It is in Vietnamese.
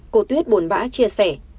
cô tuyết buồn bã chia sẻ